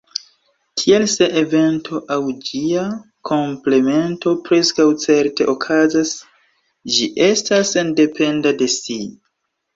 Tial se evento aŭ ĝia komplemento preskaŭ certe okazas, ĝi estas sendependa de si.